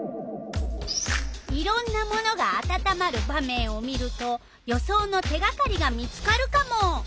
いろんなものがあたたまる場面を見ると予想の手がかりが見つかるカモ！